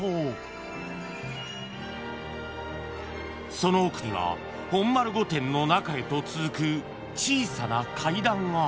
［その奥には本丸御殿の中へと続く小さな階段が］